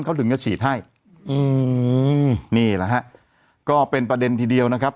เขาถึงจะฉีดให้อืมนี่แหละฮะก็เป็นประเด็นทีเดียวนะครับ